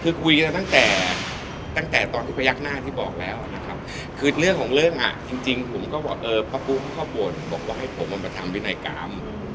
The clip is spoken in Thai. คือคุยกันตั้งแต่ตั้งแต่ตอนที่พยักหน้าที่บอกแล้วนะครับคือเรื่องของเรื่องอ่ะจริงผมก็บอกเออพระปุ๊ครอบครัวบอกว่าให้ผมมันมาทำวินัยกรรม